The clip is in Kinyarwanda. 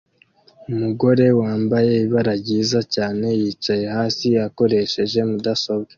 Umugore wambaye ibara ryiza cyane yicaye hasi akoresheje mudasobwa